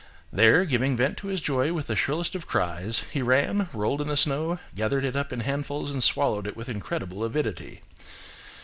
There, giving vent to his joy with the shrillest of cries, he ran, rolled in the snow, gathered it up in handfuls, and swallowed it with incredible avidity.